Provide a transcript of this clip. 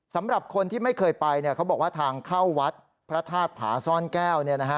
สำหรับคนที่ไม่เคยไปเขาบอกว่าทางเข้าวัดพระธาตุผาซ่อนแก้ว